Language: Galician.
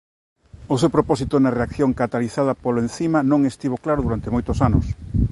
O seu propósito na reacción catalizada polo encima non estivo claro durante moitos anos.